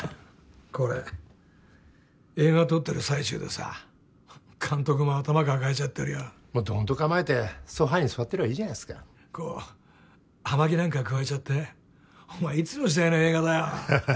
これ映画撮ってる最中でさ監督も頭抱えちゃってるよドーンと構えてソファーに座ってりゃいいじゃないすかこう葉巻なんかくわえちゃってお前いつの時代の映画だよ